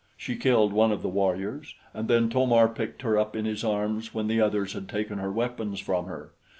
She killed one of the warriors, and then To mar picked her up in his arms when the others had taken her weapons from her.